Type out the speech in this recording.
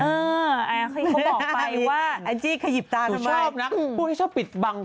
เขาบอกไปว่าแองจี้ขยิบตาเธอชอบนะผู้ที่ชอบปิดบัง